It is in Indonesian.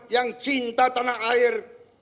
yang cinta tanah air